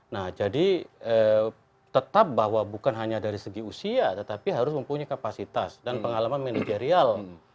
nah jadi tetap bahwa bukan hanya dari segi usia tetapi harus mempunyai kapasitas dan pengalaman manajerial